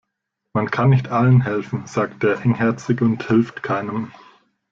Man kann nicht allen helfen, sagt der Engherzige und hilft keinem.